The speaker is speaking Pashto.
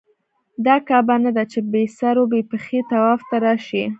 دا کعبه نه ده چې بې سر و پښې طواف ته راشې.